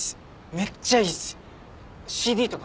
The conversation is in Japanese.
めっちゃいいっす。